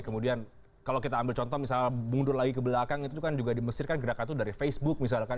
kemudian kalau kita ambil contoh misalnya mundur lagi ke belakang itu kan juga di mesir kan gerakan itu dari facebook misalkan